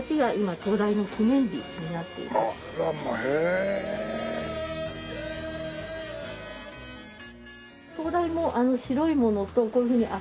灯台も白いものとこういうふうに赤白とか。